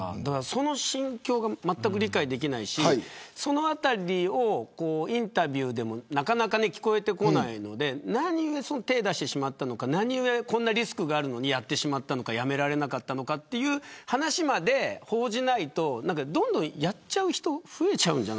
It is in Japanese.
その心境がまったく理解できないしそのあたりをインタビューでもなかなか聞こえてこないので何で手を出してしまったのか何でこんなにリスクがあるのにやってしまったのかやめられなかったのかという話まで報じないとどんどんやっちゃう人